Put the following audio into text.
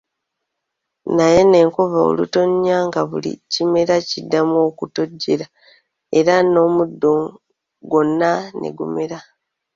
Naye nno enkuba olutonya nga buli kimera kiddamu okutojjera era n'omuddo gwonna ne gumera.